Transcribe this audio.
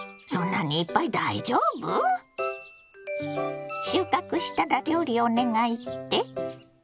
そんなにいっぱい大丈夫？収穫したら料理お願いって？